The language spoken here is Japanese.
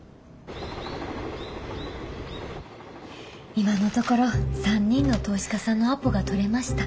今のところ３人の投資家さんのアポが取れました。